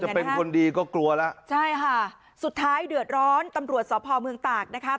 เป็นคนดีก็กลัวแล้วใช่ค่ะสุดท้ายเดือดร้อนตำรวจสพเมืองตากนะคะ